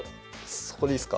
そこでいいすか？